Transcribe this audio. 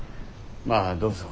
まあどうぞ。